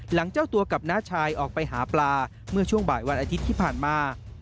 เจ้าตัวกับน้าชายออกไปหาปลาเมื่อช่วงบ่ายวันอาทิตย์ที่ผ่านมา